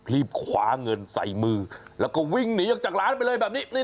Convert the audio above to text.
รีบคว้าเงินใส่มือแล้วก็วิ่งหนีออกจากร้านไปเลยแบบนี้